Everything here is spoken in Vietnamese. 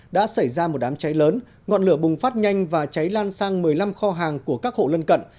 đã xảy ra một đám cháy lớn ngọn lửa bùng phát nhanh và cháy lan sang một mươi năm kho hàng của các hộ lân cận